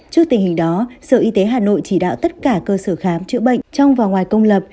trước tình hình đó sở y tế hà nội chỉ đạo tất cả cơ sở khám chữa bệnh trong và ngoài công lập